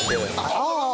ああ！